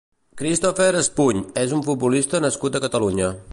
Cristopher Espuny és un futbolista nascut a Catalunya.